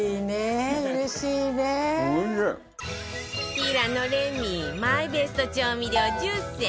平野レミマイベスト調味料１０選